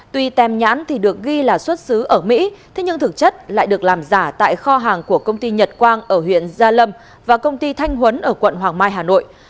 tuy tem nhãn thì được ghi là xuất xứ ở mỹ thế nhưng thực chất lại được làm giả tại kho hàng của công ty nhật quang ở huyện gia lâm và công ty thanh huấn ở quận hoàng mai hà nội